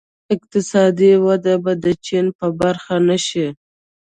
اقتصادي وده به د چین په برخه نه شي.